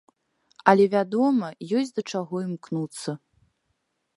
Але, вядома, ёсць да чаго імкнуцца.